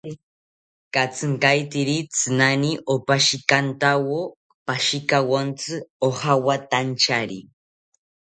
Katzinkaeteri tsinani opashikantawo pashikawontzi ojawatanchari